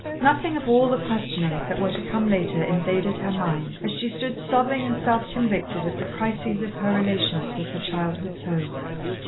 Nothing of all the questionings that were to come later invaded her mind, as she stood sobbing and self convicted at the crises of her relations with her childhood's home.